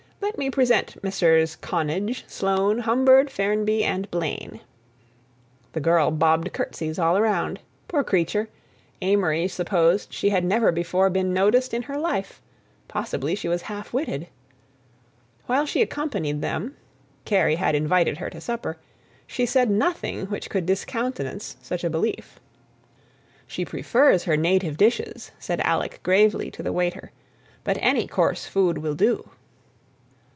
Let me present Messrs. Connage, Sloane, Humbird, Ferrenby, and Blaine." The girl bobbed courtesies all around. Poor creature; Amory supposed she had never before been noticed in her life—possibly she was half witted. While she accompanied them (Kerry had invited her to supper) she said nothing which could discountenance such a belief. "She prefers her native dishes," said Alec gravely to the waiter, "but any coarse food will do."